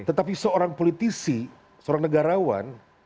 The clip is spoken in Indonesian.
ketika politisi seorang negarawan